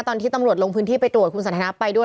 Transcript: ตอนที่ตำรวจลงพื้นที่ไปตรวจคุณสันทนาไปด้วย